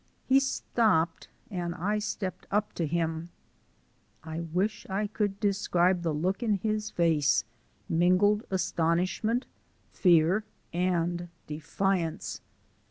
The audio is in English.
He stopped and I stepped up to him. I wish I could describe the look in his face mingled astonishment, fear, and defiance.